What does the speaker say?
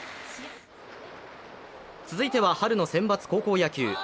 続いては春の選抜高校野球。